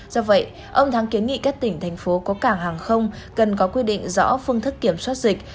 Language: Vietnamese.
do vậy ông thắng kiến nghị các tỉnh thành phố có cảng hàng không cần có quy định rõ phương thức kiểm soát dịch